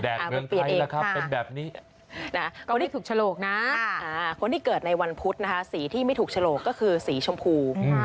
มันเปลี่ยนเองนะครับเป็นแบบนี้ก็รีบถูกฉลกนะคนที่เกิดในวันพุธนะคะสีที่ไม่ถูกฉลกก็คือสีชมพู